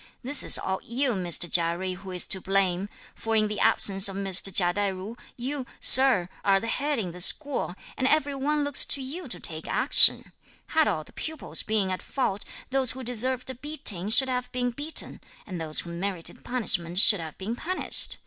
This is all you, Mr. Chia Jui, who is to blame; for in the absence of Mr. Chia Tai ju, you, sir, are the head in this school, and every one looks to you to take action. Had all the pupils been at fault, those who deserved a beating should have been beaten, and those who merited punishment should have been punished!